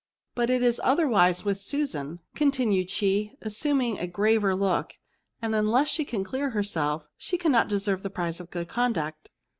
But it is otherwise with Susan,*' continued she, assuming a graver look ;'^ and unless she can clear herself, she cannot deserve the prize of good conduct."